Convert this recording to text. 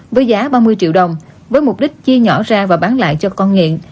với giá ba mươi triệu đồng với mục đích chia nhỏ ra và bán lại cho con nghiện